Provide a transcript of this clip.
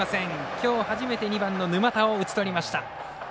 きょう初めて２番の沼田を打ち取りました。